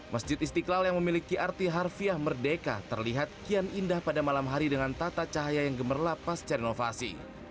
masjid istiqlal yang memiliki arti harfiah merdeka terlihat kian indah pada malam hari dengan tata cahaya yang gemerlap pasca renovasi